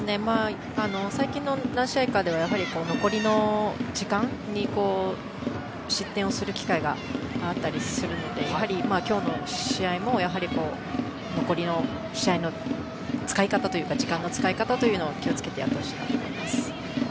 最近の何試合かでは残りの時間に失点をする機会があったりするのでやはり今日の試合も残りの時間の使い方というのを気を付けてやってほしいです。